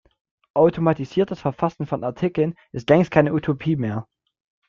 Automatisiertes Verfassen von Artikeln ist längst keine Utopie mehr.